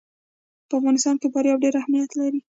په افغانستان کې فاریاب ډېر اهمیت لري.